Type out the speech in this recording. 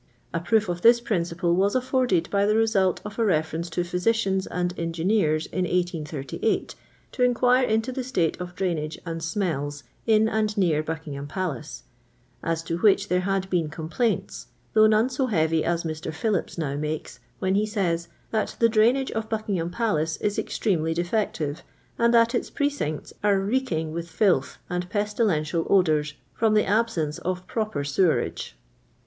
A proof of this principle was afforded by the result of a reference to physi cians and engineers in 1838, to inquire into the state of drainage and smells in and near Buck ingham Palace, as to which there had been com plaints, though none so heavy as Mr. Phillips now makes, when he says, ' that the drainage d Buckingham Palace is extremely defective, and that its precincts are reeking with filth and pesti lential odours from the absence of proper sevc^ age